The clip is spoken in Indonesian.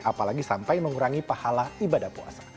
apalagi sampai mengurangi pahala ibadah puasa